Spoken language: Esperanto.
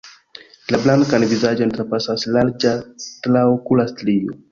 La blankan vizaĝon trapasas larĝa traokula strio.